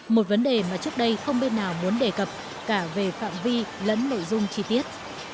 một vấn đề mà trước đây không bên nào muốn đề cập cả về phạm vi lẫn nội dung chi tiết